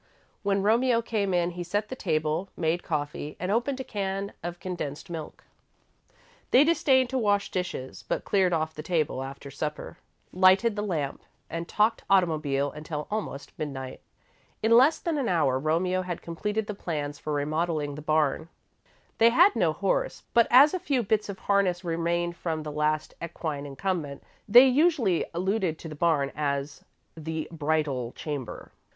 When Romeo came in, he set the table, made coffee, and opened a can of condensed milk. They disdained to wash dishes, but cleared off the table, after supper, lighted the lamp, and talked automobile until almost midnight. In less than an hour, Romeo had completed the plans for remodelling the barn. They had no horse, but as a few bits of harness remained from the last equine incumbent, they usually alluded to the barn as "the bridle chamber."